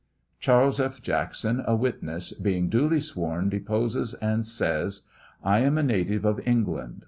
. Charles F. Jackson, a witness, being duly sworn, de poses and says : I am a native of England.